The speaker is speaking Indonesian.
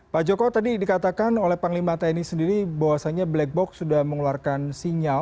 pak joko tadi dikatakan oleh panglima tni sendiri bahwasannya black box sudah mengeluarkan sinyal